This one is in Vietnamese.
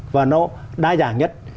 và nó đa dạng nhất